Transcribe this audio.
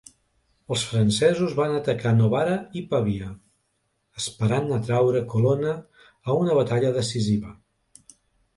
Els francesos van atacar Novara i Pavia, esperant atraure Colonna a una batalla decisiva.